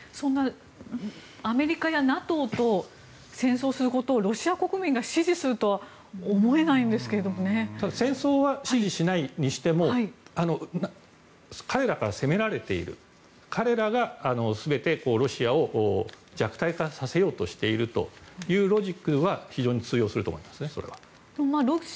アメリカやＮＡＴＯと戦争することをロシア国民が支持するとは戦争は支持しないにしても彼らから攻められている彼らが全て、ロシアを弱体化させようとしているというロジックは非常に通用すると思いますね。